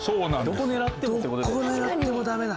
どこ狙ってもダメだな。